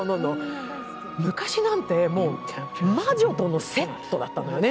昔なんて、魔女とのセットだったのよね。